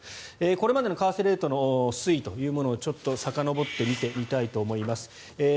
これまでの為替レートの推移というのをちょっとさかのぼって見てみたいと思います。